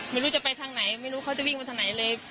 ไม่รู้จะไปทางไหนไม่รู้เขาจะวิ่งมาทางไหนเลย